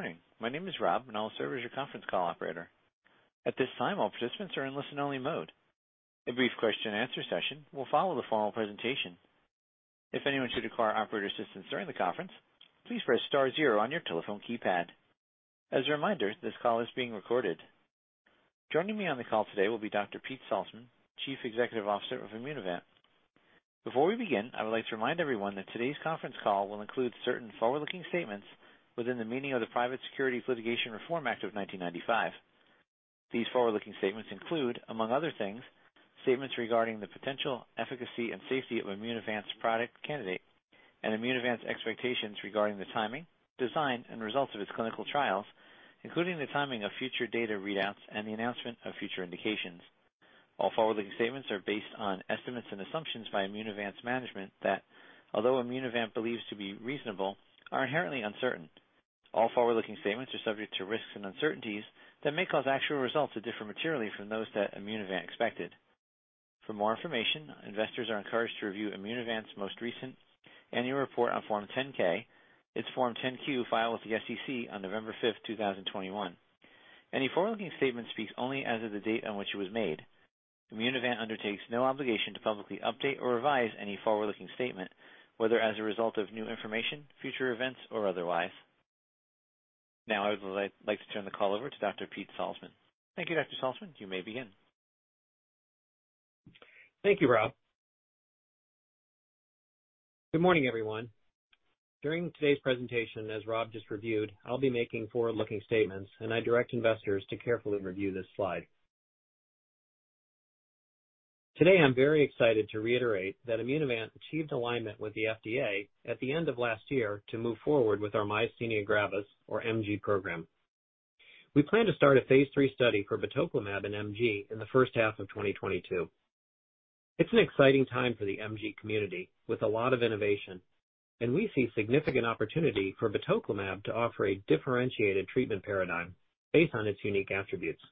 Good morning. My name is Rob, and I'll serve as your conference call operator. At this time, all participants are in listen-only mode. A brief question and answer session will follow the formal presentation. If anyone should require operator assistance during the conference, please press star zero on your telephone keypad. As a reminder, this call is being recorded. Joining me on the call today will be Dr. Pete Salzmann, Chief Executive Officer of Immunovant. Before we begin, I would like to remind everyone that today's conference call will include certain forward-looking statements within the meaning of the Private Securities Litigation Reform Act of 1995. These forward-looking statements include, among other things, statements regarding the potential efficacy and safety of Immunovant's product candidate and Immunovant's expectations regarding the timing, design, and results of its clinical trials, including the timing of future data readouts and the announcement of future indications. All forward-looking statements are based on estimates and assumptions by Immunovant's management that, although Immunovant believes to be reasonable, are inherently uncertain. All forward-looking statements are subject to risks and uncertainties that may cause actual results to differ materially from those that Immunovant expected. For more information, investors are encouraged to review Immunovant's most recent annual report on Form 10-K, its Form 10-Q filed with the SEC on November 5, 2021. Any forward-looking statement speaks only as of the date on which it was made. Immunovant undertakes no obligation to publicly update or revise any forward-looking statement, whether as a result of new information, future events, or otherwise. Now I would like to turn the call over to Dr. Pete Salzmann. Thank you, Dr. Salzmann. You may begin. Thank you, Rob. Good morning, everyone. During today's presentation, as Rob just reviewed, I'll be making forward-looking statements, and I direct investors to carefully review this slide. Today I'm very excited to reiterate that Immunovant achieved alignment with the FDA at the end of last year to move forward with our myasthenia gravis, or MG program. We plan to start a phase III study for batoclimab in MG in the H1 of 2022. It's an exciting time for the MG community with a lot of innovation, and we see significant opportunity for batoclimab to offer a differentiated treatment paradigm based on its unique attributes.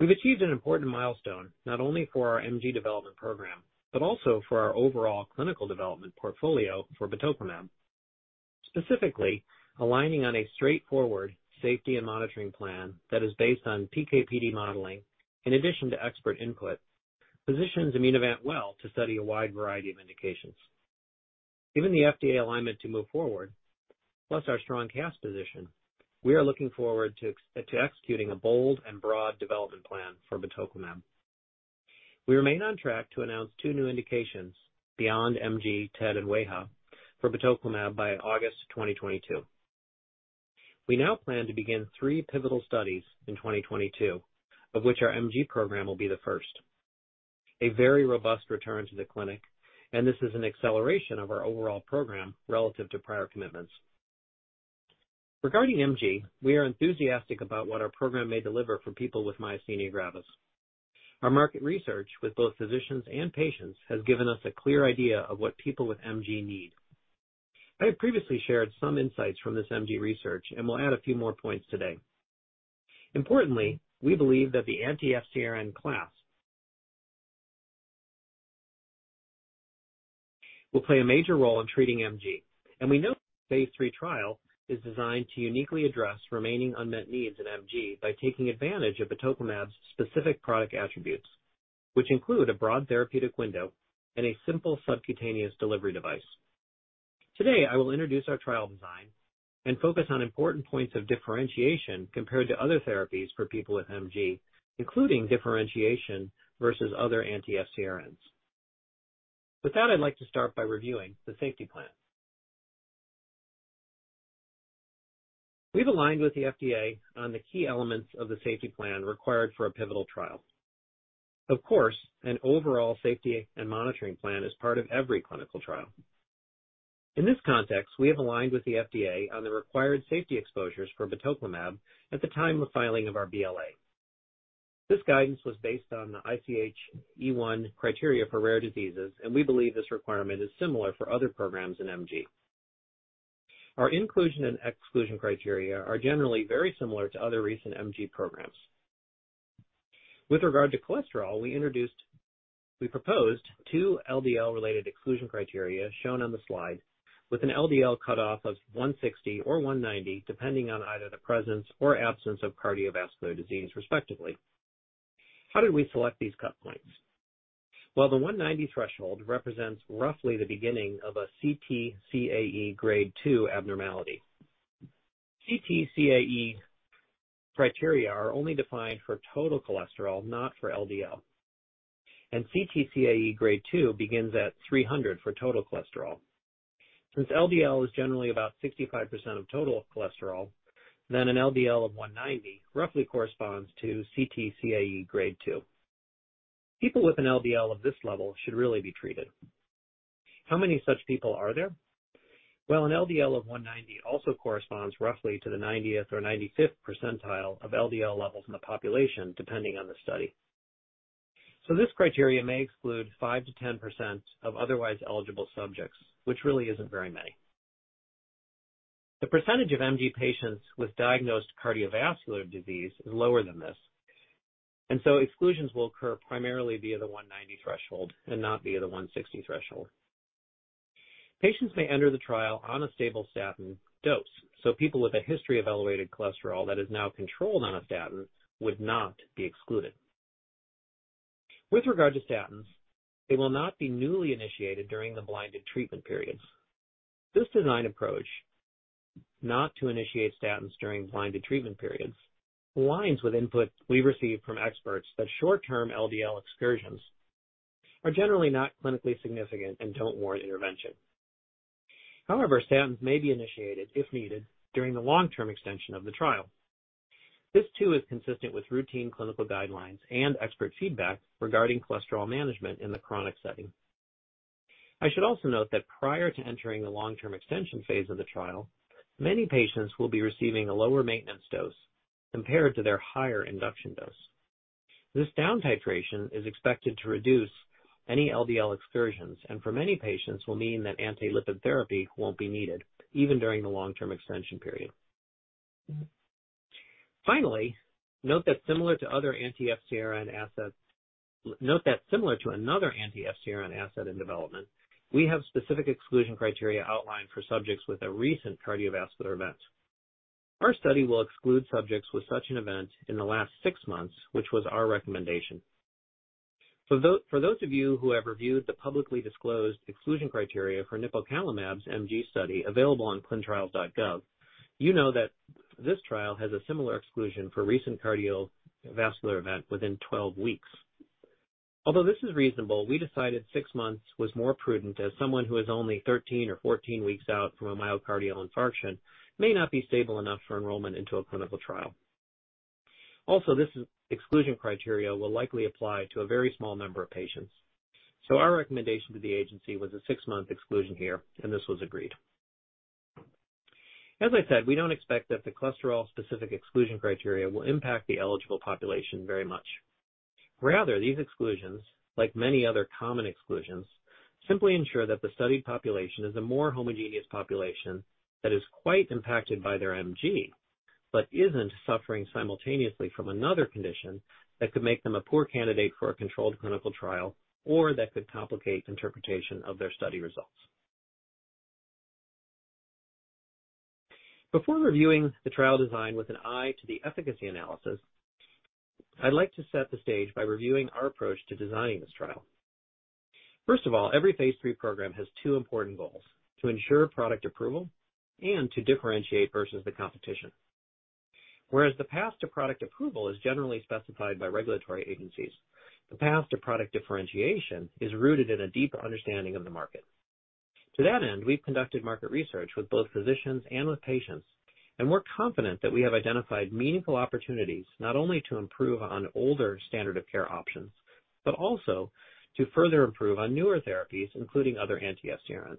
We've achieved an important milestone, not only for our MG development program, but also for our overall clinical development portfolio for batoclimab. Specifically, aligning on a straightforward safety and monitoring plan that is based on PK/PD modeling in addition to expert input positions Immunovant well to study a wide variety of indications. Given the FDA alignment to move forward, plus our strong cash position, we are looking forward to executing a bold and broad development plan for batoclimab. We remain on track to announce two new indications beyond MG, TED, and WAIHA for batoclimab by August 2022. We now plan to begin three pivotal studies in 2022, of which our MG program will be the first. A very robust return to the clinic, and this is an acceleration of our overall program relative to prior commitments. Regarding MG, we are enthusiastic about what our program may deliver for people with myasthenia gravis. Our market research with both physicians and patients has given us a clear idea of what people with MG need. I have previously shared some insights from this MG research and will add a few more points today. Importantly, we believe that the anti-FcRn class will play a major role in treating MG, and we know phase III trial is designed to uniquely address remaining unmet needs in MG by taking advantage of batoclimab's specific product attributes, which include a broad therapeutic window and a simple subcutaneous delivery device. Today, I will introduce our trial design and focus on important points of differentiation compared to other therapies for people with MG, including differentiation versus other anti-FcRn's. With that, I'd like to start by reviewing the safety plan. We've aligned with the FDA on the key elements of the safety plan required for a pivotal trial. Of course, an overall safety and monitoring plan is part of every clinical trial. In this context, we have aligned with the FDA on the required safety exposures for batoclimab at the time of filing of our BLA. This guidance was based on the ICH E1 criteria for rare diseases, and we believe this requirement is similar for other programs in MG. Our inclusion and exclusion criteria are generally very similar to other recent MG programs. With regard to cholesterol, we proposed two LDL-related exclusion criteria shown on the slide with an LDL cutoff of 160 or 190, depending on either the presence or absence of cardiovascular disease, respectively. How did we select these cut points? Well, the 190 threshold represents roughly the beginning of a CTCAE grade two abnormality. CTCAE criteria are only defined for total cholesterol, not for LDL. CTCAE grade two begins at 300 for total cholesterol. Since LDL is generally about 65% of total cholesterol, then an LDL of 190 roughly corresponds to CTCAE grade two. People with an LDL of this level should really be treated. How many such people are there? Well, an LDL of 190 also corresponds roughly to the 90th or 95th percentile of LDL levels in the population, depending on the study. This criteria may exclude 5%-10% of otherwise eligible subjects, which really isn't very many. The percentage of MG patients with diagnosed cardiovascular disease is lower than this. Exclusions will occur primarily via the 190 threshold and not via the 160 threshold. Patients may enter the trial on a stable statin dose, so people with a history of elevated cholesterol that is now controlled on a statin would not be excluded. With regard to statins, they will not be newly initiated during the blinded treatment periods. This design approach, not to initiate statins during blinded treatment periods, aligns with input we received from experts that short-term LDL excursions are generally not clinically significant and don't warrant intervention. However, statins may be initiated if needed during the long-term extension of the trial. This too is consistent with routine clinical guidelines and expert feedback regarding cholesterol management in the chronic setting. I should also note that prior to entering the long-term extension phase of the trial, many patients will be receiving a lower maintenance dose compared to their higher induction dose. This down-titration is expected to reduce any LDL excursions, and for many patients will mean that antilipid therapy won't be needed even during the long-term extension period. Finally, note that similar to another anti-FcRn asset in development, we have specific exclusion criteria outlined for subjects with a recent cardiovascular event. Our study will exclude subjects with such an event in the last 6 months, which was our recommendation. For those of you who have reviewed the publicly disclosed exclusion criteria for nipocalimab's MG study available on ClinicalTrials.gov, you know that this trial has a similar exclusion for recent cardiovascular event within 12 weeks. Although this is reasonable, we decided 6 months was more prudent, as someone who is only 13 or 14 weeks out from a myocardial infarction may not be stable enough for enrollment into a clinical trial. This exclusion criteria will likely apply to a very small number of patients. Our recommendation to the agency was a six-month exclusion here, and this was agreed. As I said, we don't expect that the cholesterol-specific exclusion criteria will impact the eligible population very much. Rather, these exclusions, like many other common exclusions, simply ensure that the studied population is a more homogeneous population that is quite impacted by their MG but isn't suffering simultaneously from another condition that could make them a poor candidate for a controlled clinical trial or that could complicate interpretation of their study results. Before reviewing the trial design with an eye to the efficacy analysis, I'd like to set the stage by reviewing our approach to designing this trial. First of all, every phase III program has two important goals, to ensure product approval and to differentiate versus the competition. Whereas the path to product approval is generally specified by regulatory agencies, the path to product differentiation is rooted in a deeper understanding of the market. To that end, we've conducted market research with both physicians and with patients, and we're confident that we have identified meaningful opportunities not only to improve on older standard of care options, but also to further improve on newer therapies, including other anti-FcRn.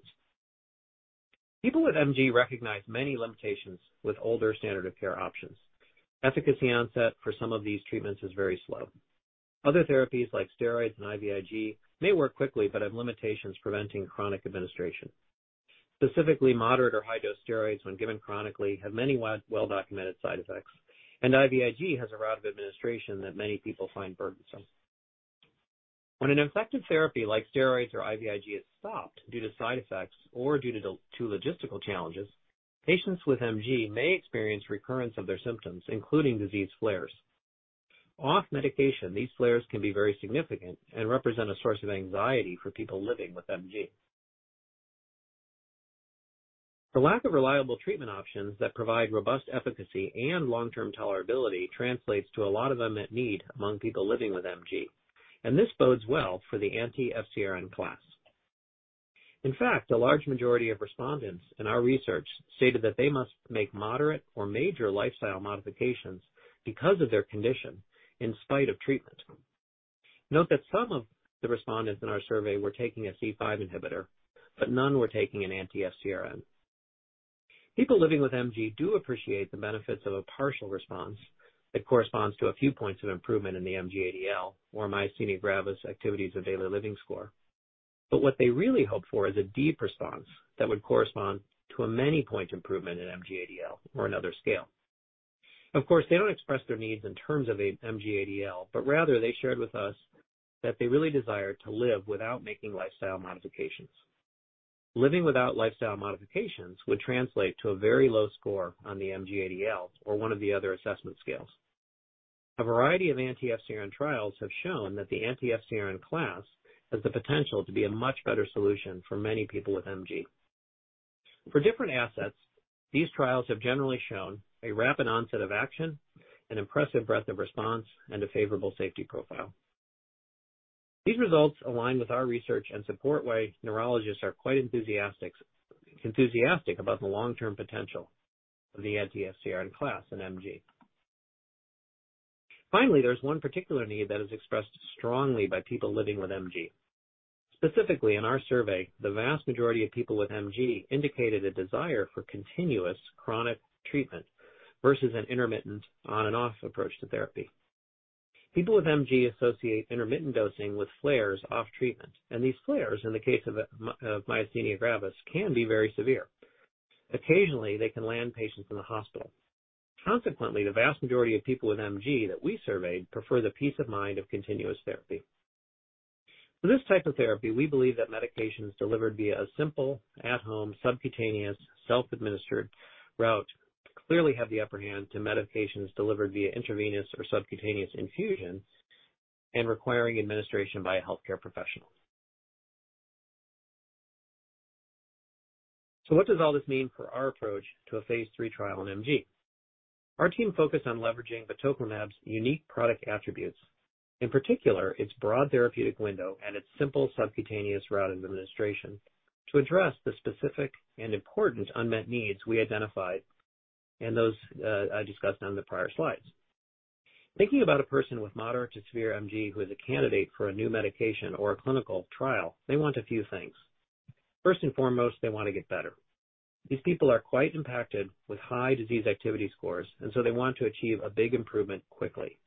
People with MG recognize many limitations with older standard of care options. Efficacy onset for some of these treatments is very slow. Other therapies like steroids and IVIG may work quickly but have limitations preventing chronic administration. Specifically, moderate or high-dose steroids, when given chronically, have many well-documented side effects, and IVIG has a route of administration that many people find burdensome. When an effective therapy like steroids or IVIG is stopped due to side effects or due to logistical challenges, patients with MG may experience recurrence of their symptoms, including disease flares. Off medication, these flares can be very significant and represent a source of anxiety for people living with MG. The lack of reliable treatment options that provide robust efficacy and long-term tolerability translates to a lot of unmet need among people living with MG, and this bodes well for the anti-FcRn class. In fact, a large majority of respondents in our research stated that they must make moderate or major lifestyle modifications because of their condition in spite of treatment. Note that some of the respondents in our survey were taking a C5 inhibitor, but none were taking an anti-FcRn. People living with MG do appreciate the benefits of a partial response that corresponds to a few points of improvement in the MG-ADL or myasthenia gravis activities of daily living score. What they really hope for is a deep response that would correspond to a many-point improvement in MG-ADL or another scale. Of course, they don't express their needs in terms of a MG-ADL, but rather they shared with us that they really desire to live without making lifestyle modifications. Living without lifestyle modifications would translate to a very low score on the MG-ADL or one of the other assessment scales. A variety of anti-FcRn trials have shown that the anti-FcRn class has the potential to be a much better solution for many people with MG. For different assets, these trials have generally shown a rapid onset of action, an impressive breadth of response, and a favorable safety profile. These results align with our research and support why neurologists are quite enthusiastic about the long-term potential of the anti-FcRn class in MG. Finally, there's one particular need that is expressed strongly by people living with MG. Specifically, in our survey, the vast majority of people with MG indicated a desire for continuous chronic treatment versus an intermittent on and off approach to therapy. People with MG associate intermittent dosing with flares off treatment, and these flares, in the case of myasthenia gravis, can be very severe. Occasionally, they can land patients in the hospital. Consequently, the vast majority of people with MG that we surveyed prefer the peace of mind of continuous therapy. For this type of therapy, we believe that medications delivered via a simple, at-home, subcutaneous, self-administered route clearly have the upper hand to medications delivered via intravenous or subcutaneous infusion and requiring administration by a healthcare professional. What does all this mean for our approach to a phase III trial in MG? Our team focused on leveraging batoclimab's unique product attributes, in particular, its broad therapeutic window and its simple subcutaneous route of administration, to address the specific and important unmet needs we identified and those, I discussed on the prior slides. Thinking about a person with moderate to severe MG who is a candidate for a new medication or a clinical trial, they want a few things. First and foremost, they want to get better. These people are quite impacted with high disease activity scores, and so they want to achieve a big improvement quickly.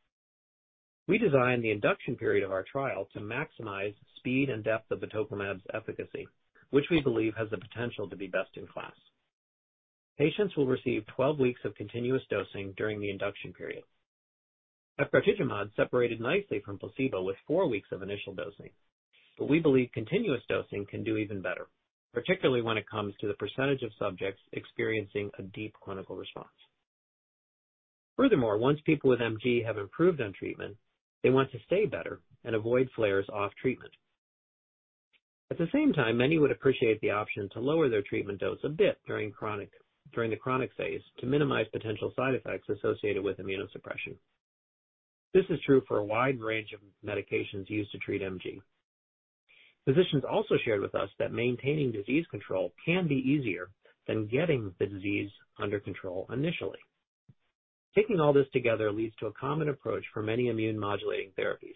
We designed the induction period of our trial to maximize speed and depth of batoclimab's efficacy, which we believe has the potential to be best in class. Patients will receive 12 weeks of continuous dosing during the induction period. Efgartigimod separated nicely from placebo with four weeks of initial dosing, but we believe continuous dosing can do even better, particularly when it comes to the percentage of subjects experiencing a deep clinical response. Furthermore, once people with MG have improved on treatment, they want to stay better and avoid flares off treatment. At the same time, many would appreciate the option to lower their treatment dose a bit during the chronic phase to minimize potential side effects associated with immunosuppression. This is true for a wide range of medications used to treat MG. Physicians also shared with us that maintaining disease control can be easier than getting the disease under control initially. Taking all this together leads to a common approach for many immune modulating therapies,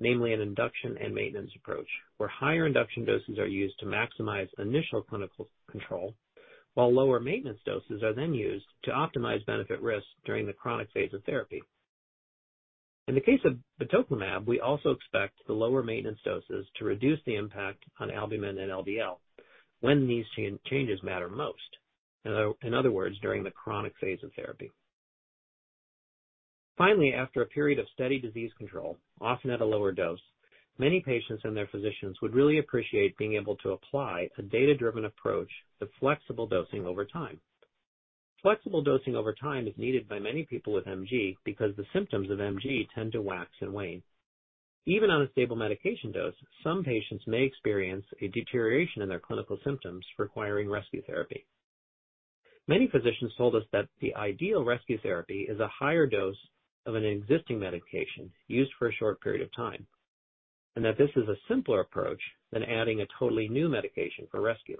namely an induction and maintenance approach, where higher induction doses are used to maximize initial clinical control, while lower maintenance doses are then used to optimize benefit risk during the chronic phase of therapy. In the case of batoclimab, we also expect the lower maintenance doses to reduce the impact on albumin and LDL when these changes matter most. In other words, during the chronic phase of therapy. Finally, after a period of steady disease control, often at a lower dose, many patients and their physicians would really appreciate being able to apply a data-driven approach to flexible dosing over time. Flexible dosing over time is needed by many people with MG because the symptoms of MG tend to wax and wane. Even on a stable medication dose, some patients may experience a deterioration in their clinical symptoms requiring rescue therapy. Many physicians told us that the ideal rescue therapy is a higher dose of an existing medication used for a short period of time, and that this is a simpler approach than adding a totally new medication for rescue.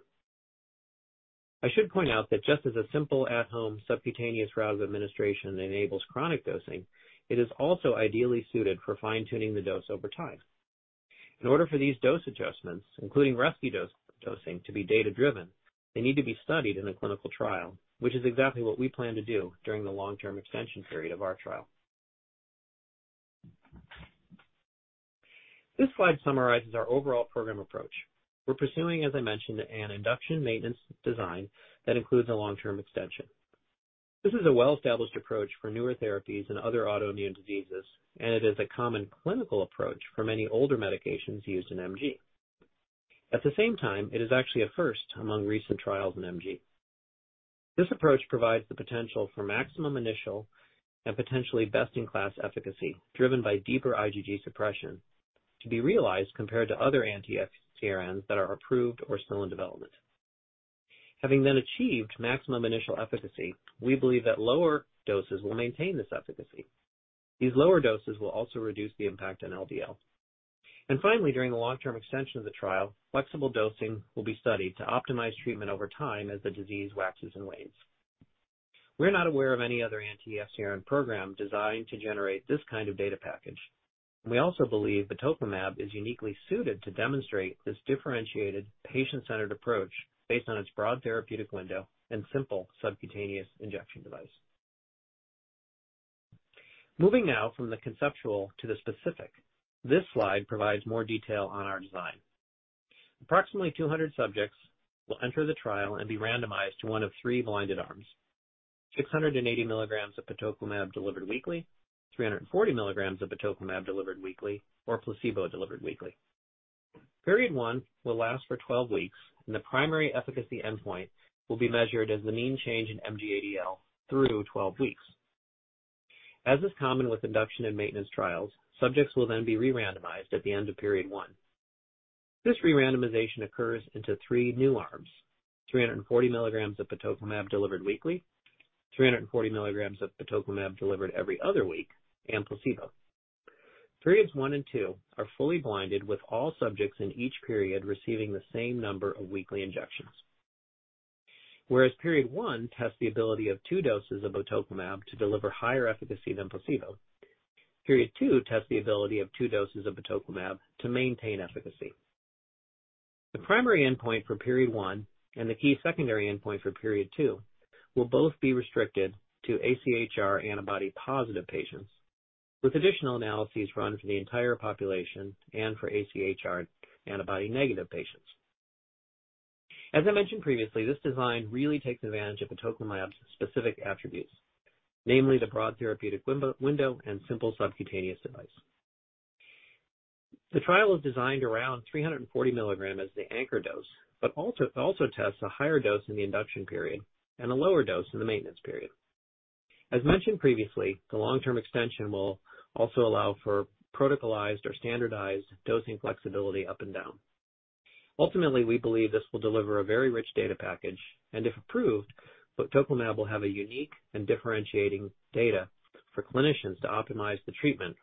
I should point out that just as a simple at-home subcutaneous route of administration enables chronic dosing, it is also ideally suited for fine-tuning the dose over time. In order for these dose adjustments, including rescue dosing, to be data-driven, they need to be studied in a clinical trial, which is exactly what we plan to do during the long-term extension period of our trial. This slide summarizes our overall program approach. We're pursuing, as I mentioned, an induction maintenance design that includes a long-term extension. This is a well-established approach for newer therapies and other autoimmune diseases, and it is a common clinical approach for many older medications used in MG. At the same time, it is actually a first among recent trials in MG. This approach provides the potential for maximum initial and potentially best-in-class efficacy driven by deeper IgG suppression to be realized compared to other anti-FcRns that are approved or still in development. Having then achieved maximum initial efficacy, we believe that lower doses will maintain this efficacy. These lower doses will also reduce the impact on LDL. Finally, during the long-term extension of the trial, flexible dosing will be studied to optimize treatment over time as the disease waxes and wanes. We're not aware of any other anti-FcRN program designed to generate this kind of data package. We also believe batoclimab is uniquely suited to demonstrate this differentiated patient-centered approach based on its broad therapeutic window and simple subcutaneous injection device. Moving now from the conceptual to the specific, this slide provides more detail on our design. Approximately 200 subjects will enter the trial and be randomized to one of three blinded arms. 680 mg of batoclimab delivered weekly, 340 mg of batoclimab delivered weekly, or placebo delivered weekly. Period one will last for 12 weeks, and the primary efficacy endpoint will be measured as the mean change in MG ADL through 12 weeks. As is common with induction and maintenance trials, subjects will then be re-randomized at the end of Period 1. This re-randomization occurs into three new arms, 340 mg of batoclimab delivered weekly, 340 mg of batoclimab delivered every other week, and placebo. Periods one and two are fully blinded, with all subjects in each period receiving the same number of weekly injections. Whereas period one tests the ability of two doses of batoclimab to deliver higher efficacy than placebo, period two tests the ability of two doses of batoclimab to maintain efficacy. The primary endpoint for period one and the key secondary endpoint for period two will both be restricted to AChR antibody-positive patients, with additional analyses run for the entire population and for AChR antibody-negative patients. As I mentioned previously, this design really takes advantage of batoclimab's specific attributes, namely the broad therapeutic window and simple subcutaneous device. The trial is designed around 340 mg as the anchor dose, but also, it also tests a higher dose in the induction period and a lower dose in the maintenance period. As mentioned previously, the long-term extension will also allow for protocolized or standardized dosing flexibility up and down. Ultimately, we believe this will deliver a very rich data package, and if approved, batoclimab will have a unique and differentiating data for clinicians to optimize the treatment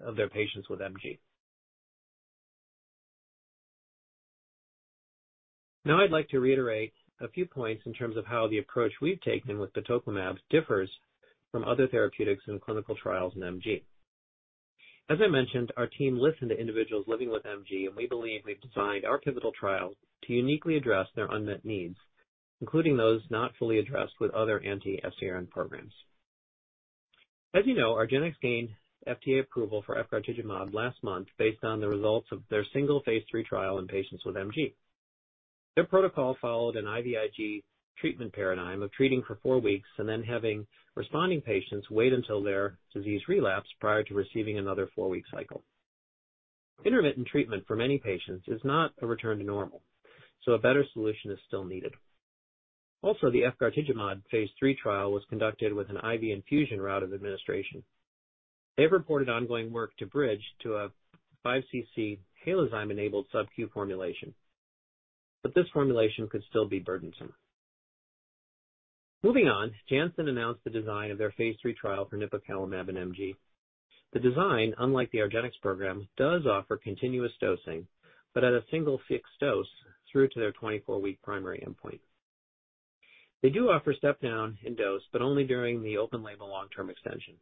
of their patients with MG. Now I'd like to reiterate a few points in terms of how the approach we've taken with batoclimab differs from other therapeutics in clinical trials in MG. As I mentioned, our team listened to individuals living with MG, and we believe we've designed our pivotal trial to uniquely address their unmet needs, including those not fully addressed with other anti-FcRn programs. As you know, argenx gained FDA approval for efgartigimod last month based on the results of their single phase III trial in patients with MG. Their protocol followed an IVIG treatment paradigm of treating for four weeks and then having responding patients wait until their disease relapse prior to receiving another four week cycle. Intermittent treatment for many patients is not a return to normal, so a better solution is still needed. Also, the efgartigimod phase III trial was conducted with an IV infusion route of administration. They've reported ongoing work to bridge to a 5-cc Halozyme-enabled subq formulation, but this formulation could still be burdensome. Moving on, Janssen announced the design of their phase III trial for nipocalimab in MG. The design, unlike the argenx program, does offer continuous dosing but at a single fixed dose through to their 24-week primary endpoint. They do offer step-down in dose, but only during the open label long-term extension.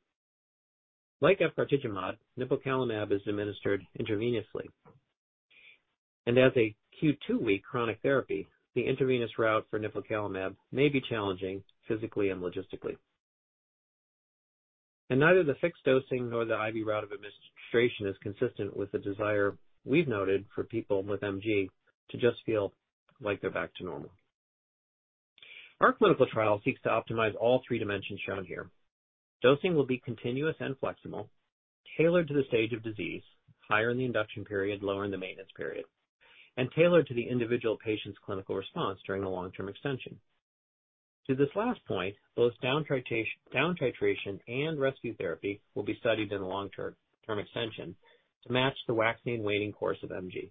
Like efgartigimod, nipocalimab is administered intravenously. As a Q2W chronic therapy, the intravenous route for nipocalimab may be challenging physically and logistically. Neither the fixed dosing nor the IV route of administration is consistent with the desire we've noted for people with MG to just feel like they're back to normal. Our clinical trial seeks to optimize all three dimensions shown here. Dosing will be continuous and flexible, tailored to the stage of disease, higher in the induction period, lower in the maintenance period, and tailored to the individual patient's clinical response during a long-term extension. To this last point, both down titration and rescue therapy will be studied in the long-term extension to match the waxing and waning course of MG.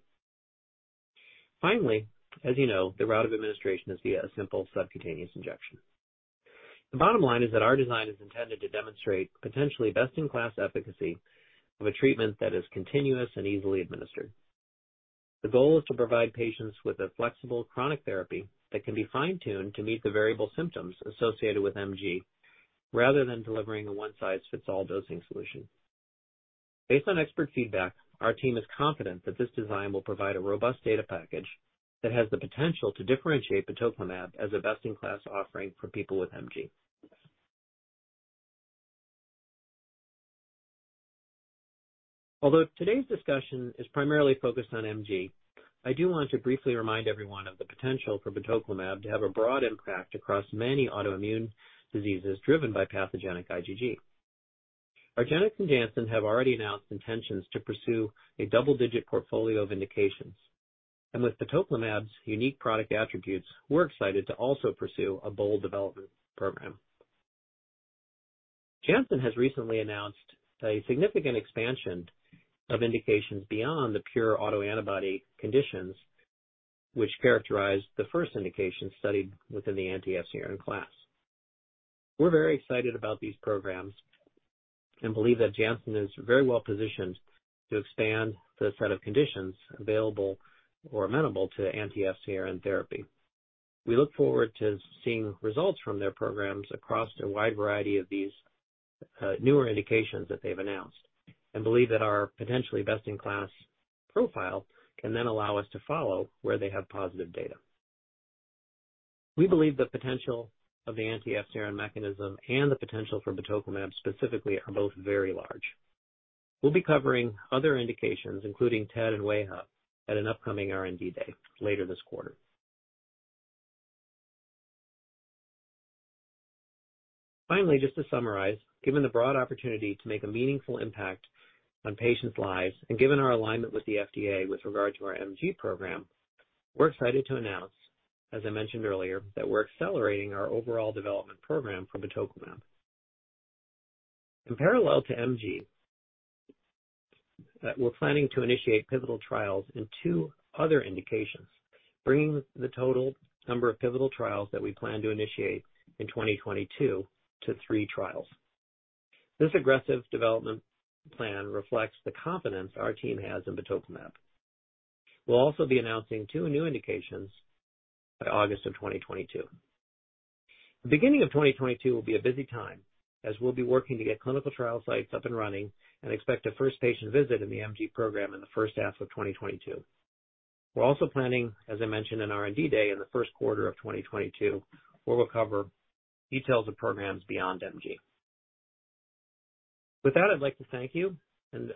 Finally, as you know, the route of administration is via a simple subcutaneous injection. The bottom line is that our design is intended to demonstrate potentially best-in-class efficacy of a treatment that is continuous and easily administered. The goal is to provide patients with a flexible chronic therapy that can be fine-tuned to meet the variable symptoms associated with MG, rather than delivering a one-size-fits-all dosing solution. Based on expert feedback, our team is confident that this design will provide a robust data package that has the potential to differentiate batoclimab as a best-in-class offering for people with MG. Although today's discussion is primarily focused on MG, I do want to briefly remind everyone of the potential for batoclimab to have a broad impact across many autoimmune diseases driven by pathogenic IgG. argenx and Janssen have already announced intentions to pursue a double-digit portfolio of indications. With batoclimab's unique product attributes, we're excited to also pursue a bold development program. Janssen has recently announced a significant expansion of indications beyond the pure autoantibody conditions which characterized the first indication studied within the anti-FcRn class. We're very excited about these programs and believe that Janssen is very well positioned to expand the set of conditions available or amenable to anti-FcRn therapy. We look forward to seeing results from their programs across a wide variety of these, newer indications that they've announced and believe that our potentially best-in-class profile can then allow us to follow where they have positive data. We believe the potential of the anti-FcRn mechanism and the potential for batoclimab specifically are both very large. We'll be covering other indications, including TED and WAIHA at an upcoming R&D day later this quarter. Finally, just to summarize, given the broad opportunity to make a meaningful impact on patients' lives and given our alignment with the FDA with regard to our MG program, we're excited to announce, as I mentioned earlier, that we're accelerating our overall development program for batoclimab. In parallel to MG, we're planning to initiate pivotal trials in two other indications, bringing the total number of pivotal trials that we plan to initiate in 2022 to three trials. This aggressive development plan reflects the confidence our team has in batoclimab. We'll also be announcing two new indications by August of 2022. The beginning of 2022 will be a busy time, as we'll be working to get clinical trial sites up and running and expect a first patient visit in the MG program in the first half of 2022. We're also planning, as I mentioned, an R&D day in the first quarter of 2022, where we'll cover details of programs beyond MG. With that, I'd like to thank you and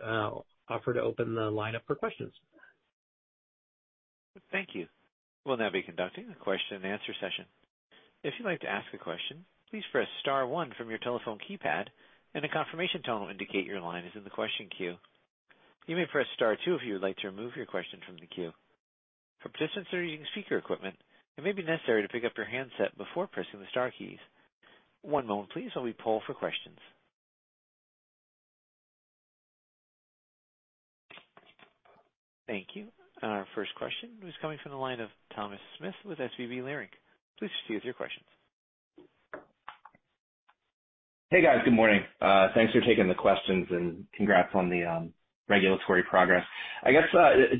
offer to open the line up for questions. Thank you. We'll now be conducting a question and answer session. If you'd like to ask a question, please press star one from your telephone keypad, and a confirmation tone will indicate your line is in the question queue. You may press star two if you would like to remove your question from the queue. For participants that are using speaker equipment, it may be necessary to pick up your handset before pressing the star keys. One moment please while we poll for questions. Thank you. Our first question is coming from the line of Thomas Smith with SVB Leerink. Please proceed with your questions. Hey, guys. Good morning. Thanks for taking the questions and congrats on the regulatory progress. I guess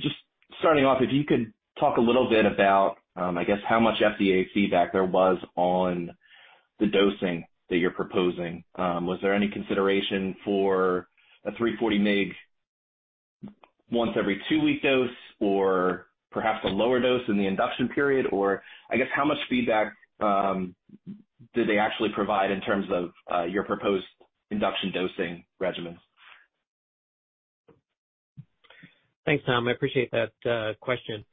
just starting off, if you could talk a little bit about I guess how much FDA feedback there was on the dosing that you're proposing. Was there any consideration for a 340 mg once every two-week dose or perhaps a lower dose in the induction period? Or I guess, how much feedback did they actually provide in terms of your proposed induction dosing regimen? Thanks, Tom. I appreciate that question.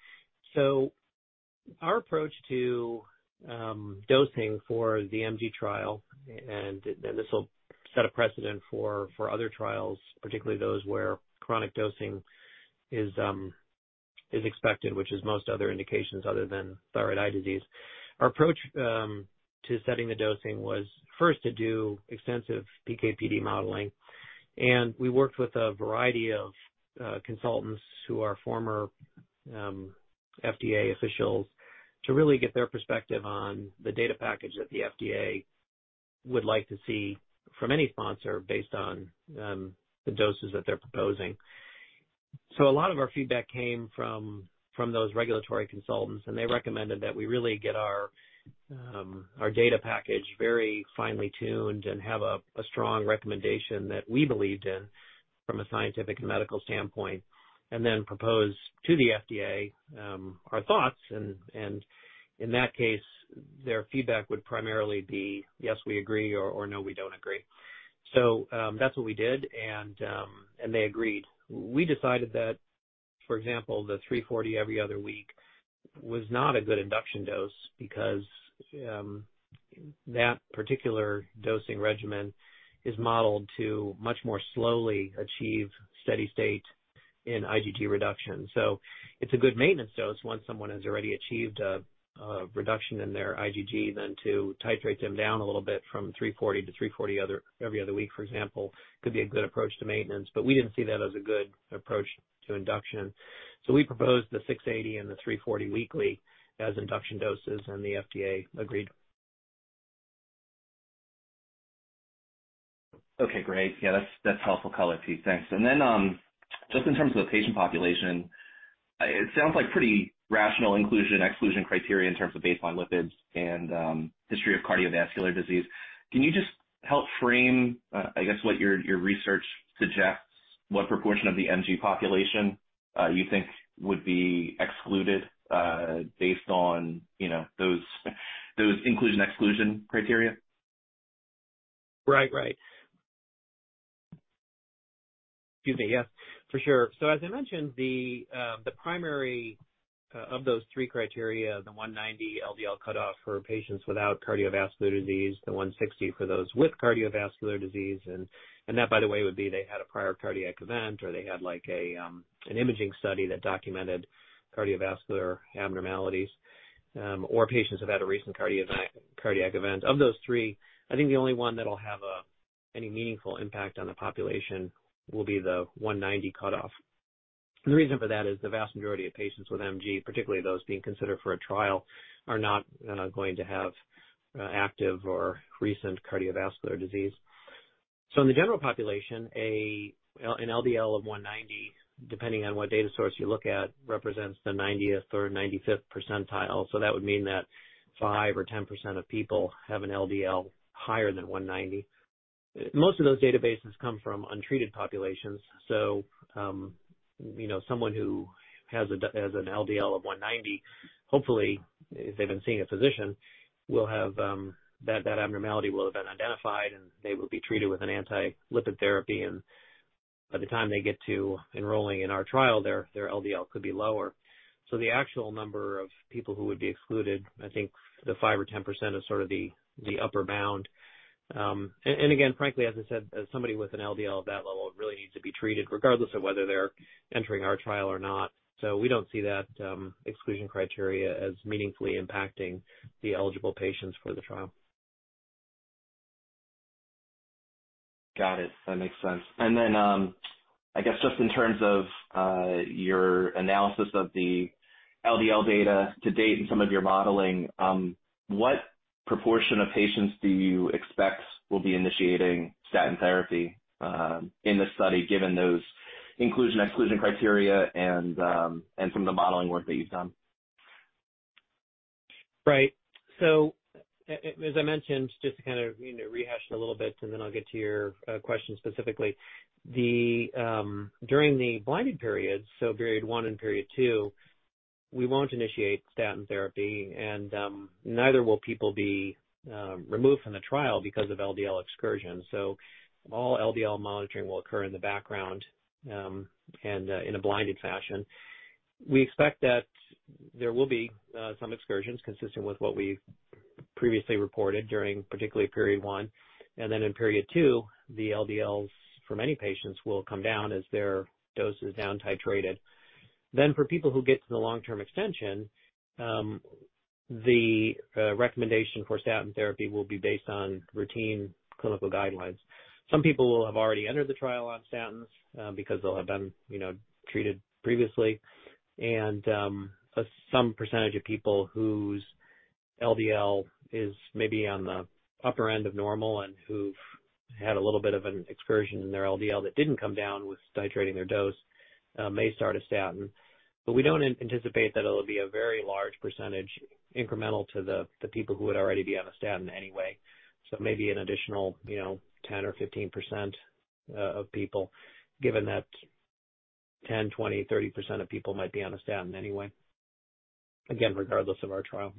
Our approach to dosing for the MG trial, and then this will set a precedent for other trials, particularly those where chronic dosing is expected, which is most other indications other than thyroid eye disease. Our approach to setting the dosing was first to do extensive PK/PD modeling, and we worked with a variety of consultants who are former FDA officials to really get their perspective on the data package that the FDA would like to see from any sponsor based on the doses that they're proposing. A lot of our feedback came from those regulatory consultants, and they recommended that we really get our data package very finely tuned and have a strong recommendation that we believed in from a scientific and medical standpoint. Then propose to the FDA our thoughts and in that case, their feedback would primarily be yes, we agree, or no, we don't agree. That's what we did and they agreed. We decided that, for example, the 340 every other week was not a good induction dose because that particular dosing regimen is modeled to much more slowly achieve steady state in IgG reduction. It's a good maintenance dose once someone has already achieved a reduction in their IgG, then to titrate them down a little bit from 340-340 every other week, for example, could be a good approach to maintenance, but we didn't see that as a good approach to induction. We proposed the 680 and the 340 weekly as induction doses and the FDA agreed. Okay, great. Yeah, that's helpful color to see. Thanks. Just in terms of the patient population, it sounds like pretty rational inclusion/exclusion criteria in terms of baseline lipids and history of cardiovascular disease. Can you just help frame, I guess, what your research suggests what proportion of the MG population you think would be excluded based on, you know, those inclusion/exclusion criteria? Right. Right. Excuse me. Yes, for sure. As I mentioned, the primary of those three criteria, the 190 LDL cutoff for patients without cardiovascular disease, the 160 for those with cardiovascular disease, and that, by the way, would be they had a prior cardiac event, or they had like an imaging study that documented cardiovascular abnormalities, or patients have had a recent cardiac event. Of those three, I think the only one that'll have any meaningful impact on the population will be the 190 cutoff. The reason for that is the vast majority of patients with MG, particularly those being considered for a trial, are not going to have active or recent cardiovascular disease. In the general population, an LDL of 190, depending on what data source you look at, represents the 90th or 95th percentile. That would mean that 5% or 10% of people have an LDL higher than 190. Most of those databases come from untreated populations, you know, someone who has an LDL of 190, hopefully, if they've been seeing a physician, will have that abnormality identified, and they will be treated with an anti-lipid therapy. By the time they get to enrolling in our trial, their LDL could be lower. The actual number of people who would be excluded, I think 5% or 10% is sort of the upper bound. Again, frankly, as I said, as somebody with an LDL at that level really needs to be treated regardless of whether they're entering our trial or not. We don't see that exclusion criteria as meaningfully impacting the eligible patients for the trial. Got it. That makes sense. I guess just in terms of your analysis of the LDL data to date and some of your modeling, what proportion of patients do you expect will be initiating statin therapy in this study, given those inclusion/exclusion criteria and some of the modeling work that you've done? Right. As I mentioned, just to kind of, you know, rehash it a little bit and then I'll get to your question specifically. During the blinding period, so period one and period two, we won't initiate statin therapy and neither will people be removed from the trial because of LDL excursion. All LDL monitoring will occur in the background and in a blinding fashion. We expect that there will be some excursions consistent with what we previously reported during particularly period one, and then in period two, the LDLs for many patients will come down as their dose is down titrated. For people who get to the long-term extension, the recommendation for statin therapy will be based on routine clinical guidelines. Some people will have already entered the trial on statins because they'll have been, you know, treated previously. Some percentage of people whose LDL is maybe on the upper end of normal and who've had a little bit of an excursion in their LDL that didn't come down with titrating their dose may start a statin. We don't anticipate that it'll be a very large percentage incremental to the people who would already be on a statin anyway. Maybe an additional, you know, 10% or 15% of people, given that 10%, 20%, 30% of people might be on a statin anyway, again, regardless of our trial.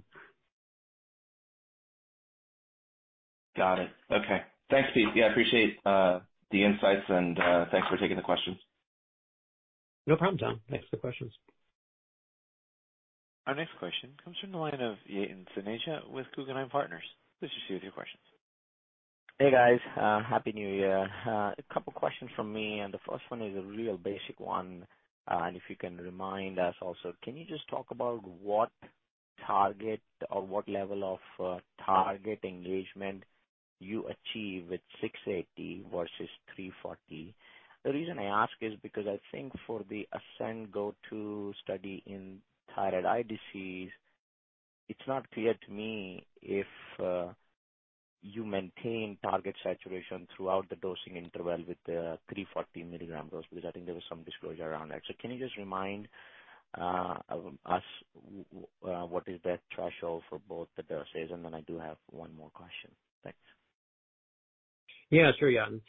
Got it. Okay. Thanks, Pete. Yeah, I appreciate the insights and thanks for taking the questions. No problem, Tom. Thanks for the questions. Our next question comes from the line of Yatin Suneja with Guggenheim Partners. Please proceed with your questions. Hey, guys. Happy New Year. A couple questions from me, and the first one is a real basic one. If you can remind us also, can you just talk about what target or what level of target engagement you achieve with 680 versus 340? The reason I ask is because I think for the ASCEND GO-2 study in thyroid eye disease, it's not clear to me if you maintain target saturation throughout the dosing interval with the 340 mg dose, because I think there was some disclosure around that. Can you just remind us what is that threshold for both the doses? I do have one more question. Thanks. Yeah, sure, Yatin.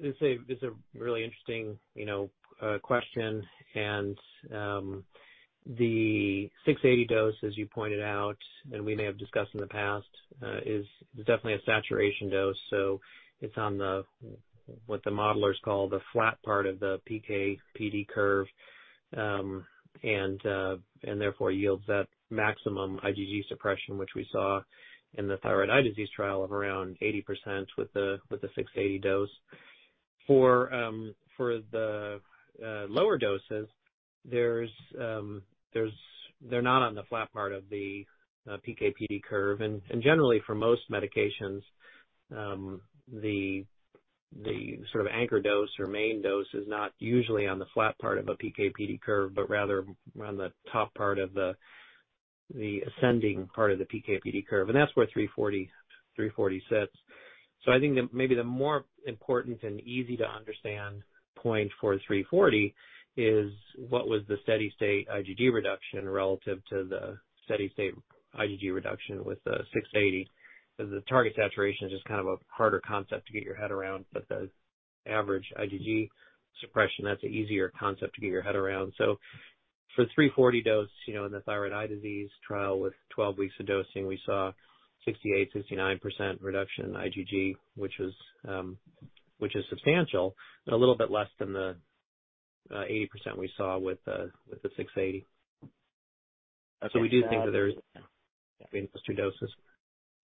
This is a really interesting, you know, question. The 680 dose, as you pointed out, and we may have discussed in the past, is definitely a saturation dose. It's on the, what the modelers call the flat part of the PK/PD curve, and therefore yields that maximum IgG suppression, which we saw in the thyroid eye disease trial of around 80% with the 680 dose. For the lower doses, they're not on the flat part of the PK/PD curve. Generally for most medications, the sort of anchor dose or main dose is not usually on the flat part of a PK/PD curve, but rather on the top part of the ascending part of the PK/PD curve. That's where 340 sits. I think maybe the more important and easy to understand point for 340 is what was the steady-state IgG reduction relative to the steady-state IgG reduction with the 680. The target saturation is just kind of a harder concept to get your head around, but the average IgG suppression, that's an easier concept to get your head around. For 340 dose, you know, in the thyroid eye disease trial with 12 weeks of dosing, we saw 68%-69% reduction in IgG, which is substantial, but a little bit less than the 80% we saw with the 680. We do think that there is between those two doses.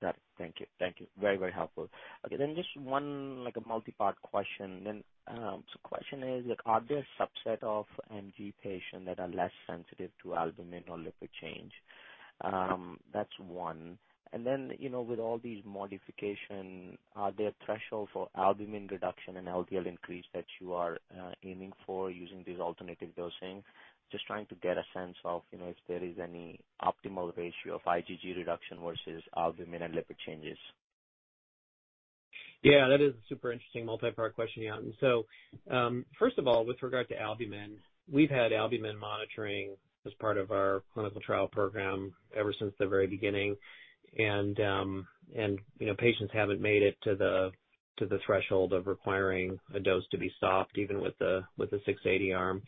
Got it. Thank you. Very helpful. Okay, just one, like, a multi-part question. Question is, are there subset of MG patients that are less sensitive to albumin or lipid change? That's one. You know, with all these modification, are there thresholds for albumin reduction and LDL increase that you are aiming for using these alternative dosing? Just trying to get a sense of, you know, if there is any optimal ratio of IgG reduction versus albumin and lipid changes. Yeah, that is a super interesting multi-part question, Yatin. First of all, with regard to albumin, we've had albumin monitoring as part of our clinical trial program ever since the very beginning. You know, patients haven't made it to the threshold of requiring a dose to be stopped even with the 680 arm.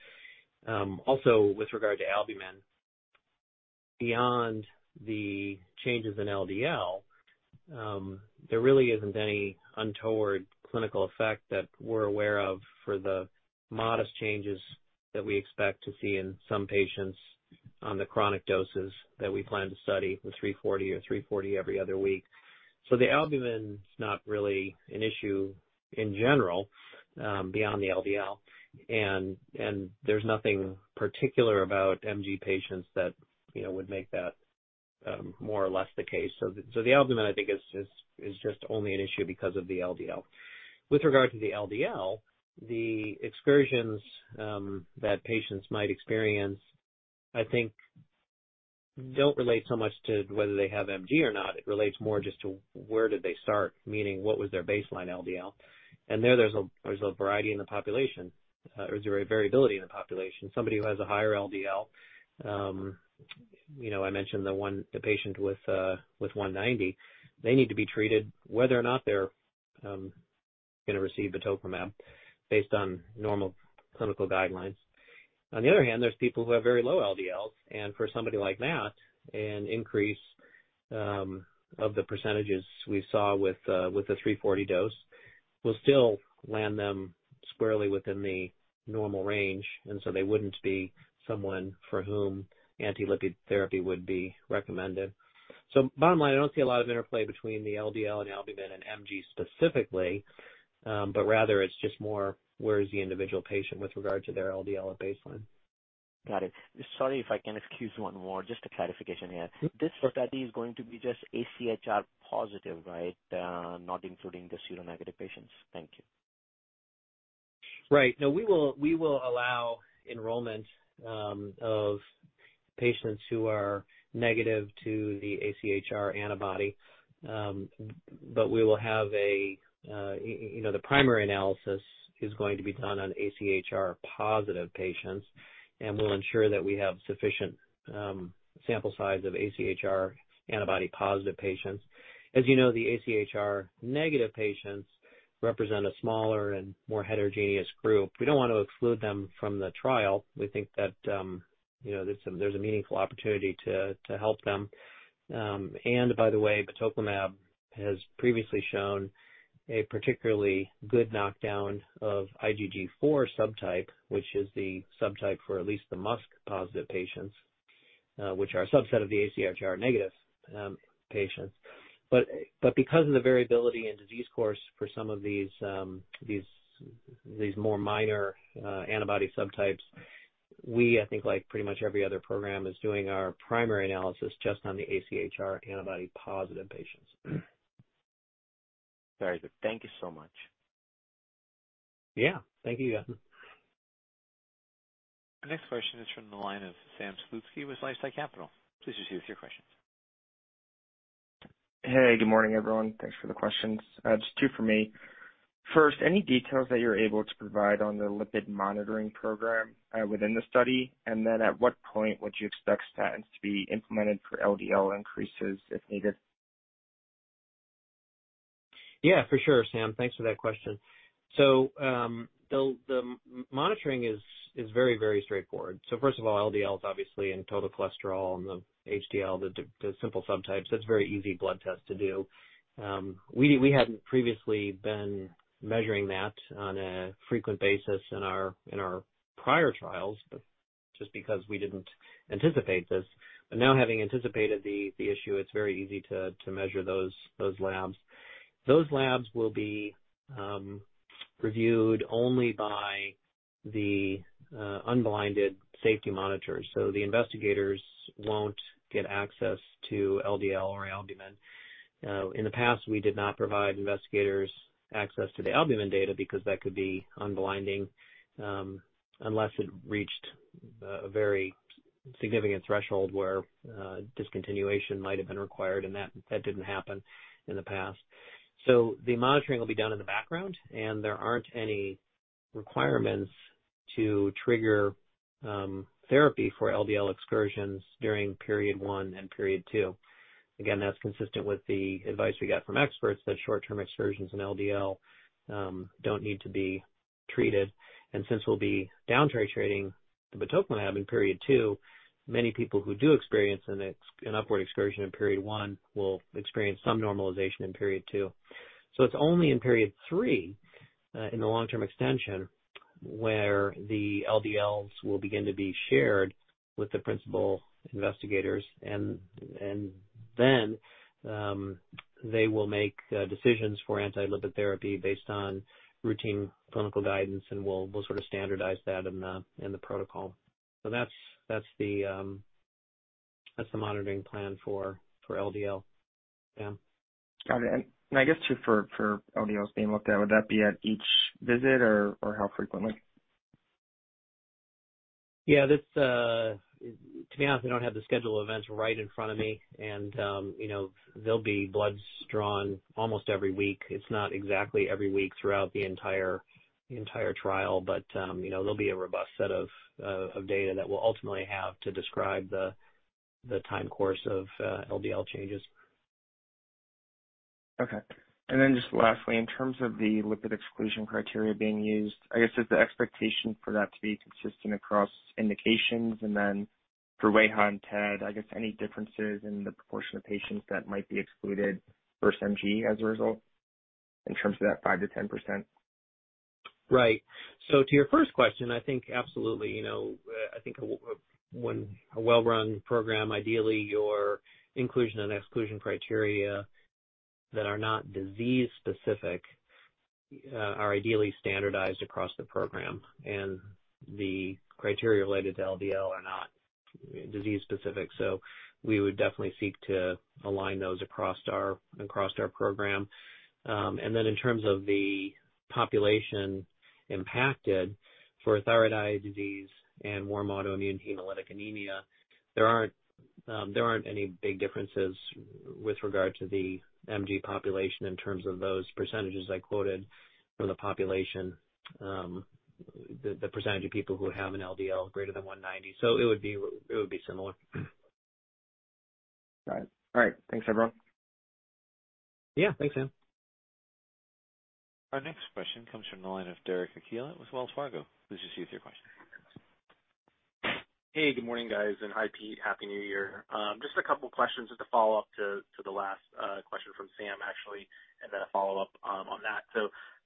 Also with regard to albumin, beyond the changes in LDL, there really isn't any untoward clinical effect that we're aware of for the modest changes that we expect to see in some patients on the chronic doses that we plan to study with 340 or 340 every other week. The albumin is not really an issue in general, beyond the LDL. There's nothing particular about MG patients that you know would make that more or less the case. The albumin, I think, is just only an issue because of the LDL. With regard to the LDL, the excursions that patients might experience, I think don't relate so much to whether they have MG or not. It relates more just to where did they start, meaning what was their baseline LDL. There is a variety in the population, or variability in the population. Somebody who has a higher LDL. You know, I mentioned the one, the patient with 190. They need to be treated whether or not they're gonna receive batoclimab based on normal clinical guidelines. On the other hand, there's people who have very low LDLs, and for somebody like that, an increase of the percentages we saw with the 340 dose will still land them squarely within the normal range, and so they wouldn't be someone for whom anti-lipid therapy would be recommended. Bottom line, I don't see a lot of interplay between the LDL and albumin and MG specifically, but rather it's just more where is the individual patient with regard to their LDL at baseline. Got it. Sorry, if I can ask you one more, just a clarification here. Sure. This study is going to be just AChR positive, right? Not including the seronegative patients. Thank you. Right. No, we will allow enrollment of patients who are negative to the AChR antibody, but we will have a, you know, the primary analysis is going to be done on AChR positive patients, and we'll ensure that we have sufficient sample size of AChR antibody positive patients. As you know, the AChR negative patients represent a smaller and more heterogeneous group. We don't want to exclude them from the trial. We think that, you know, there's a meaningful opportunity to help them. And by the way, batoclimab has previously shown a particularly good knockdown of IgG4 subtype, which is the subtype for at least the MuSK positive patients, which are a subset of the AChR negative patients. Because of the variability in disease course for some of these more minor antibody subtypes, we, I think like pretty much every other program is doing our primary analysis just on the AChR antibody positive patients. Very good. Thank you so much. Yeah. Thank you, Yatin. Our next question is from the line of Sam Slutsky with LifeSci Capital. Please proceed with your questions. Hey, good morning, everyone. Thanks for the questions. Just two for me. First, any details that you're able to provide on the lipid monitoring program within the study? Then at what point would you expect statins to be implemented for LDL increases if needed? Yeah, for sure, Sam. Thanks for that question. The monitoring is very straightforward. First of all, LDLs obviously and total cholesterol and the HDL, the simple subtypes, that's a very easy blood test to do. We hadn't previously been measuring that on a frequent basis in our prior trials, but just because we didn't anticipate this. Now having anticipated the issue, it's very easy to measure those labs. Those labs will be reviewed only by the unblinded safety monitors. The investigators won't get access to LDL or albumin. In the past, we did not provide investigators access to the albumin data because that could be unblinding, unless it reached a very significant threshold where discontinuation might have been required and that didn't happen in the past. The monitoring will be done in the background, and there aren't any requirements to trigger therapy for LDL excursions during period one and period two. Again, that's consistent with the advice we got from experts that short-term excursions in LDL don't need to be treated. Since we'll be down titrating the batoclimab in period two, many people who do experience an upward excursion in period one will experience some normalization in period two. It's only in period three in the long-term extension, where the LDLs will begin to be shared with the principal investigators and then they will make decisions for anti-lipid therapy based on routine clinical guidance, and we'll sort of standardize that in the protocol. That's the monitoring plan for LDL, Sam. Got it. I guess too for LDLs being looked at, would that be at each visit or how frequently? Yeah. This, to be honest, I don't have the schedule of events right in front of me. You know, there'll be bloods drawn almost every week. It's not exactly every week throughout the entire trial. You know, there'll be a robust set of data that we'll ultimately have to describe the time course of LDL changes. Okay. Just lastly, in terms of the lipid exclusion criteria being used, I guess, is the expectation for that to be consistent across indications? For WAIHA and TED, I guess, any differences in the proportion of patients that might be excluded versus MG as a result in terms of that 5%-10%? Right. To your first question, I think absolutely. You know, I think when a well-run program, ideally, your inclusion and exclusion criteria that are not disease specific are ideally standardized across the program. The criteria related to LDL are not disease specific. We would definitely seek to align those across our program. In terms of the population impacted for thyroid eye disease and warm autoimmune hemolytic anemia, there aren't any big differences with regard to the MG population in terms of those percentages I quoted from the population, the percentage of people who have an LDL greater than 190. It would be similar. Got it. All right, thanks everyone. Yeah, thanks Sam. Our next question comes from the line of Derek Archila with Wells Fargo. Please proceed with your question. Hey, good morning, guys. Hi, Pete. Happy New Year. Just a couple questions as a follow-up to the last question from Sam, actually, and then a follow-up on that.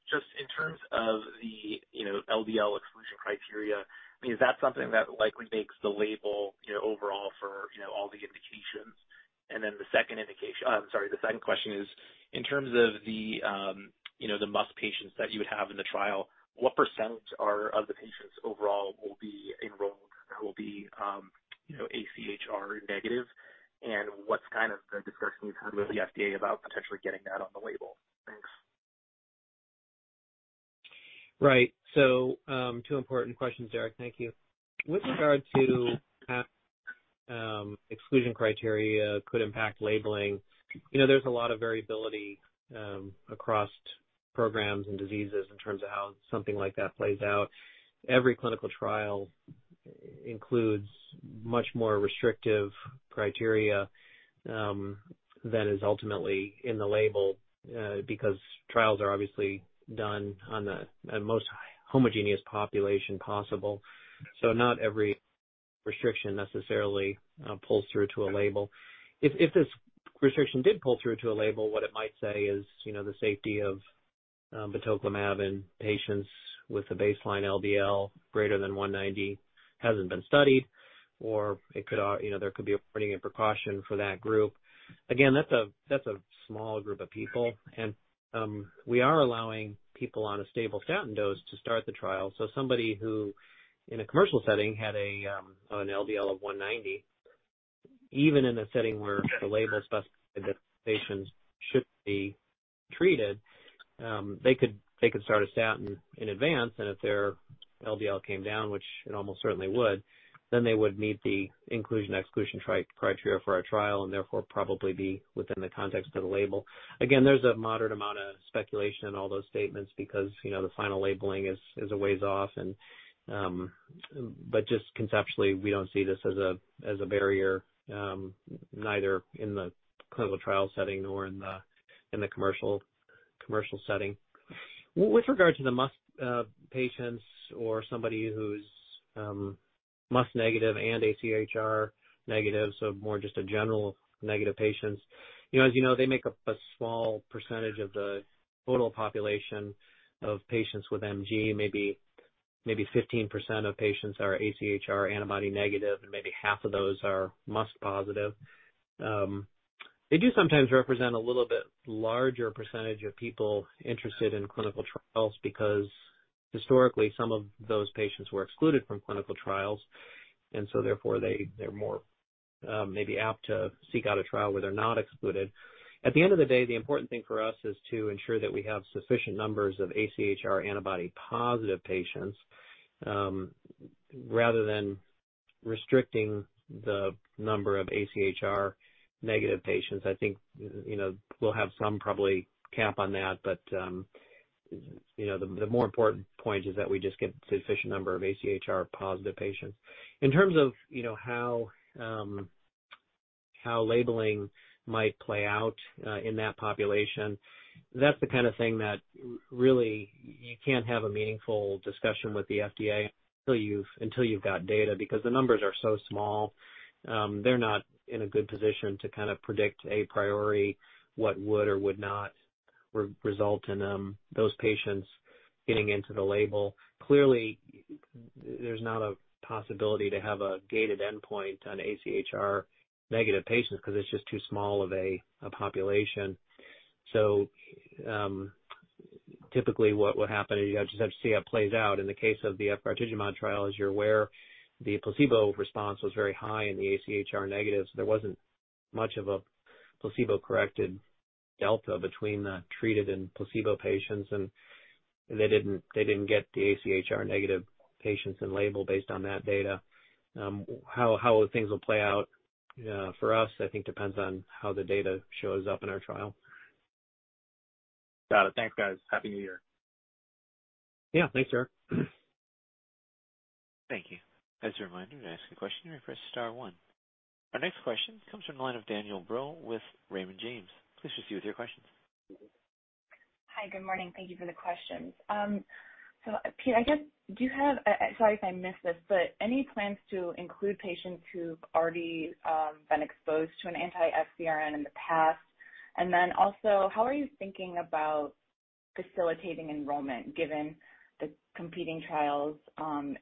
Just in terms of the LDL exclusion criteria, I mean, is that something that likely makes the label overall for all the indications? The second question is in terms of the MuSK patients that you would have in the trial, what percent of the patients overall will be AChR negative? What's kind of the discussion you've had with the FDA about potentially getting that on the label? Thanks. Right. Two important questions, Derek. Thank you. With regard to how exclusion criteria could impact labeling, you know, there's a lot of variability across programs and diseases in terms of how something like that plays out. Every clinical trial includes much more restrictive criteria than is ultimately in the label, because trials are obviously done on the most homogeneous population possible, so not every restriction necessarily pulls through to a label. If this restriction did pull through to a label, what it might say is, you know, the safety of batoclimab in patients with a baseline LDL greater than 190 hasn't been studied, or it could, you know, there could be a warning and precaution for that group. Again, that's a small group of people. We are allowing people on a stable statin dose to start the trial. Somebody who in a commercial setting had an LDL of 190, even in a setting where the label specifies that patients should be treated, they could start a statin in advance, and if their LDL came down, which it almost certainly would, then they would meet the inclusion/exclusion criteria for our trial and therefore probably be within the context of the label. Again, there's a moderate amount of speculation in all those statements because, you know, the final labeling is a ways off, but just conceptually, we don't see this as a barrier, neither in the clinical trial setting nor in the commercial setting. With regard to the MuSK patients or somebody who's MuSK negative and AChR negative, so more just seronegative patients, you know, as you know, they make up a small percentage of the total population of patients with MG. Maybe 15% of patients are AChR antibody negative, and maybe half of those are MuSK positive. They do sometimes represent a little bit larger percentage of people interested in clinical trials because historically some of those patients were excluded from clinical trials, and so therefore they're more maybe apt to seek out a trial where they're not excluded. At the end of the day, the important thing for us is to ensure that we have sufficient numbers of AChR antibody positive patients rather than restricting the number of AChR negative patients. I think, you know, we'll have some probably cap on that but, the more important point is that we just get sufficient number of AChR-positive patients. In terms of, you know, how labeling might play out, in that population, that's the kind of thing that really you can't have a meaningful discussion with the FDA until you've got data. Because the numbers are so small, they're not in a good position to kind of predict a priori, what would or would not result in, those patients getting into the label. Clearly, there's not a possibility to have a gated endpoint on AChR-negative patients because it's just too small of a population. Typically what would happen is you just have to see how it plays out. In the case of the efgartigimod trial, as you're aware, the placebo response was very high in the AChR negative, so there wasn't much of a placebo-corrected delta between the treated and placebo patients, and they didn't get the AChR negative patients in label based on that data. How things will play out for us, I think depends on how the data shows up in our trial. Got it. Thanks, guys. Happy New Year. Yeah. Thanks, Derek. Thank you. As a reminder, to ask a question, press star one. Our next question comes from the line of Danielle Brill with Raymond James. Please proceed with your questions. Hi. Good morning. Thank you for the questions. Pete, do you have, sorry if I missed this, but any plans to include patients who've already been exposed to an anti-FcRn in the past? Also, how are you thinking about facilitating enrollment given the competing trials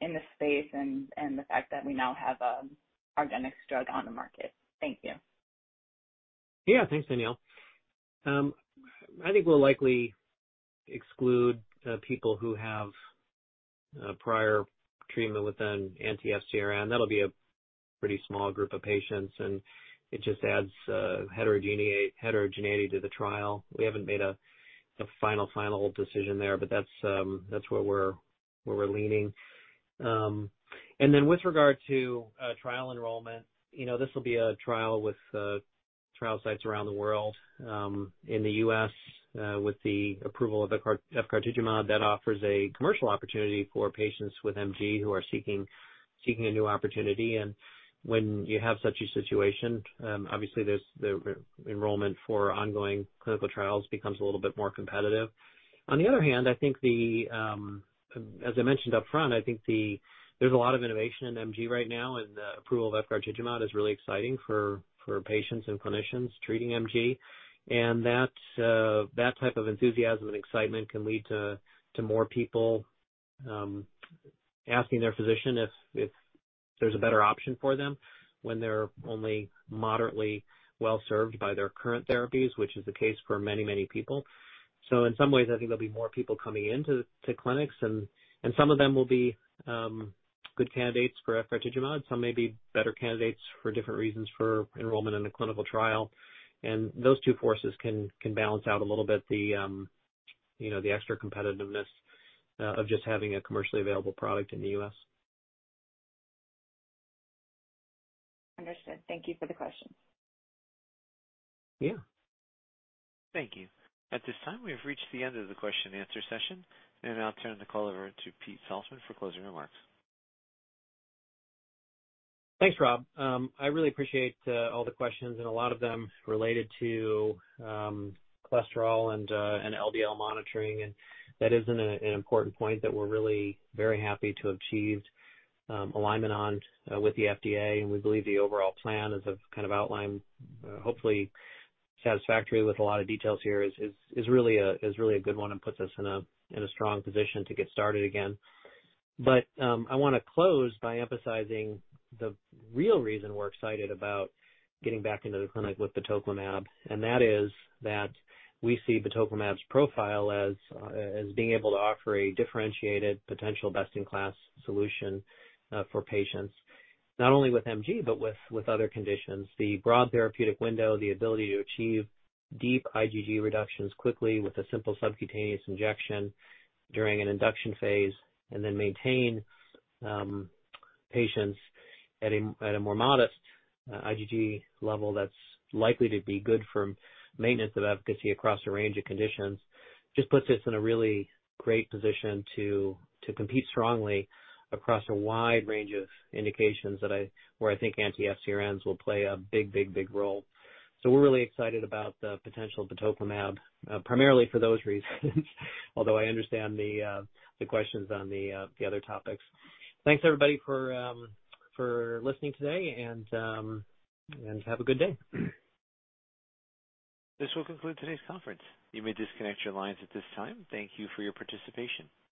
in this space and the fact that we now have an argenx drug on the market? Thank you. Yeah. Thanks, Danielle. I think we'll likely exclude people who have prior treatment with an anti-FcRn. That'll be a pretty small group of patients, and it just adds heterogeneity to the trial. We haven't made a final decision there, but that's where we're leaning. With regard to trial enrollment, you know, this will be a trial with trial sites around the world, in the U.S., with the approval of efgartigimod that offers a commercial opportunity for patients with MG who are seeking a new opportunity. When you have such a situation, obviously, the enrollment for ongoing clinical trials becomes a little bit more competitive. On the other hand, I think as I mentioned upfront, I think there's a lot of innovation in MG right now, and the approval of efgartigimod is really exciting for patients and clinicians treating MG. That type of enthusiasm and excitement can lead to more people asking their physician if there's a better option for them when they're only moderately well-served by their current therapies, which is the case for many, many people. In some ways, I think there'll be more people coming into clinics, and some of them will be good candidates for efgartigimod. Some may be better candidates for different reasons for enrollment in the clinical trial. Those two forces can balance out a little bit the, you know, the extra competitiveness, of just having a commercially available product in the U.S. Understood. Thank you for the question. Yeah. Thank you. At this time, we have reached the end of the question and answer session, and I'll turn the call over to Pete Salzmann for closing remarks. Thanks, Rob. I really appreciate all the questions and a lot of them related to cholesterol and LDL monitoring, and that is an important point that we're really very happy to achieve alignment on with the FDA. We believe the overall plan, as I've kind of outlined, hopefully satisfactory with a lot of details here, is really a good one and puts us in a strong position to get started again. I wanna close by emphasizing the real reason we're excited about getting back into the clinic with batoclimab, and that is that we see batoclimab's profile as being able to offer a differentiated potential best-in-class solution for patients not only with MG but with other conditions. The broad therapeutic window, the ability to achieve deep IgG reductions quickly with a simple subcutaneous injection during an induction phase and then maintain patients at a more modest IgG level that's likely to be good for maintenance of efficacy across a range of conditions, just puts us in a really great position to compete strongly across a wide range of indications where I think anti-FcRn will play a big role. We're really excited about the potential of batoclimab, primarily for those reasons. Although I understand the questions on the other topics. Thanks everybody for listening today and have a good day. This will conclude today's conference. You may disconnect your lines at this time. Thank you for your participation.